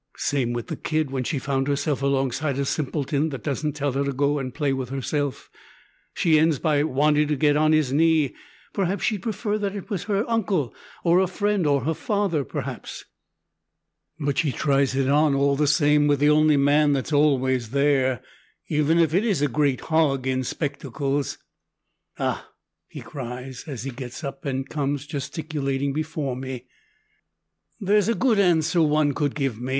"Same with the kid; when she found herself alongside a simpleton that doesn't tell her to go and play with herself, she ends by wanting to get on his knee. Perhaps she'd prefer that it was her uncle or a friend or her father perhaps but she tries it on all the same with the only man that's always there, even if it's a great hog in spectacles. "Ah," he cries, as he gets up and comes gesticulating before me. "There's a good answer one could give me.